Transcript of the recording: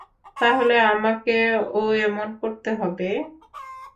তাহলে আমাকে ও এমন করতে হবে?